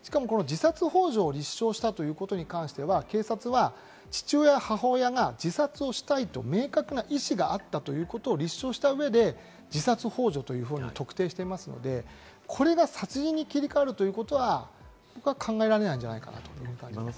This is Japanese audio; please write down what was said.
しかも自殺ほう助の立証をしたということに関しては警察は父親、母親が自殺をしたいと明確な意志があったということを立証した上で、自殺ほう助というふうに特定していますので、これが殺人に切り替わるということは考えられないんじゃないかなというふうに感じます。